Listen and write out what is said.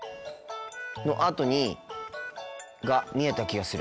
のあとにが見えた気がする。